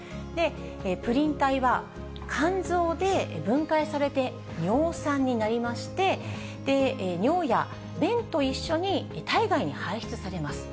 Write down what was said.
プリン体は、肝臓で分解されて、尿酸になりまして、尿や便と一緒に体外に排出されます。